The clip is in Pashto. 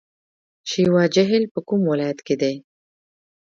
شیوا جهیل په کوم ولایت کې دی؟